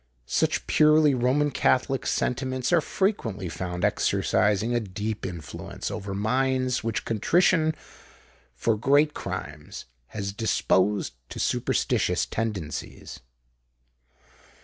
Such purely Roman Catholic sentiments are frequently found exercising a deep influence over minds which contrition for great crimes has disposed to superstitious tendencies.